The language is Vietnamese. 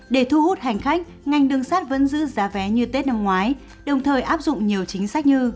để thu hút hành khách ngành đường sắt vẫn giữ giá vé như tết năm ngoái đồng thời áp dụng nhiều chính sách như